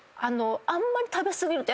あんまり食べ過ぎると。